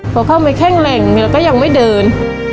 พอเข้ามแข่งแร่งแบบนี้แล้วก็ยังไม่เดิน